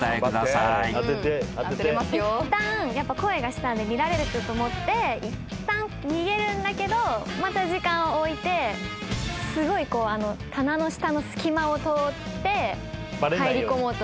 いったん声がしたんで見られてると思っていったん逃げるんだけどまた時間を置いてすごい棚の下の隙間を通って入りこもうとする。